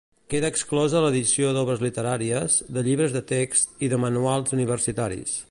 Queda exclosa l'edició d'obres literàries, de llibres de text i de manuals universitaris.